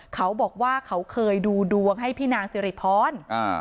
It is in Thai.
เขาบอกว่าเขาเคยดูดวงให้พี่นางสิริพรอ่า